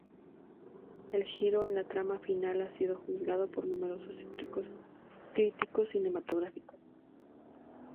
El giro en la trama final ha sido juzgado por numerosos críticos cinematográficos.